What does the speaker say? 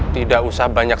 tidak usah banyak